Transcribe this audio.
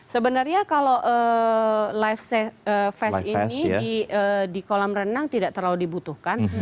sebenarnya kalau life vest ini di kolam renang tidak terlalu dibutuhkan